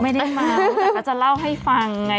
ไม่ได้เมาแต่ก็จะเล่าให้ฟังไง